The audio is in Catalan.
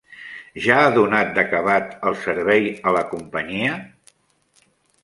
Ja ha donat d'acabat el servei a la companyia?